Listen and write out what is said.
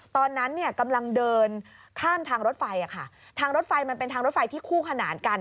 ตอนนั้นเนี่ยกำลังเดินข้ามทางรถไฟทางรถไฟมันเป็นทางรถไฟที่คู่ขนานกัน